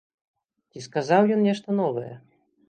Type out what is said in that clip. Ці сказаў ён нешта новае?